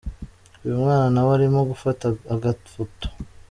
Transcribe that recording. Uyu mwana nawe arimo gufata agafoto .